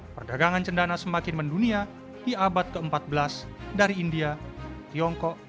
perdagangan cendana semakin mendunia di abad ke empat belas dari india tiongkok